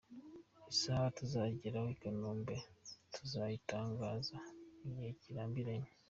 Isaha tuzagereraho i Kanombe tuzayitangaza mu gihe kitarambiranye.